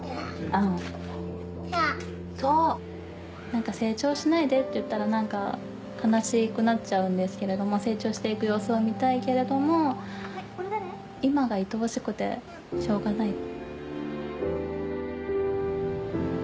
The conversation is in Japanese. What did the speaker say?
何か成長しないでって言ったら悲しくなっちゃうんですけども成長して行く様子を見たいけれども今がいとおしくてしょうがない。